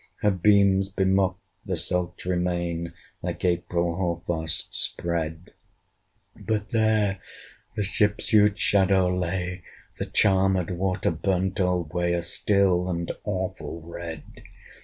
Her beams bemocked the sultry main, Like April hoar frost spread; But where the ship's huge shadow lay, The charmed water burnt alway A still and awful red.